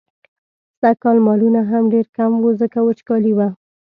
سږکال مالونه هم ډېر کم وو، ځکه وچکالي وه.